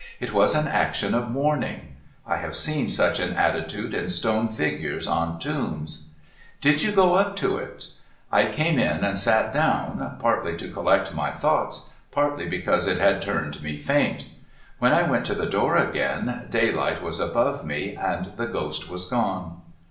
It was an action of mourning. I have seen such an attitude in stone figures on tombs. ' Did you go up to it ?' I came in and sat down, partly to collect my thoughts, partly because it had turned me faint. When I went to the door again, daylight was above me, and the ghost was gone.'